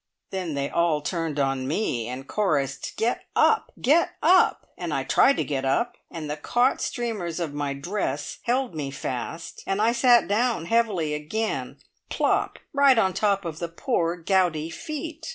Then they all turned on me, and chorused, "Get up! Get up!" and I tried to get up, and the caught streamers of my dress held me fast, and I sat down heavily again plop, right on top of the poor gouty feet.